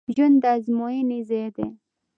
ژوند د ازموینې ځای دی